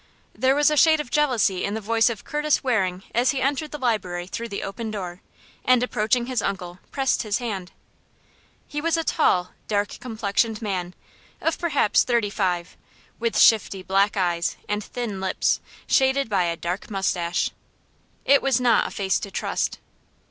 There was a shade of jealousy in the voice of Curtis Waring as he entered the library through the open door, and approaching his uncle, pressed his hand. He was a tall, dark complexioned man, of perhaps thirty five, with shifty, black eyes and thin lips, shaded by a dark mustache. It was not a face to trust.